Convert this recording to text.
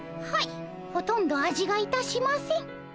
はいほとんど味がいたしません。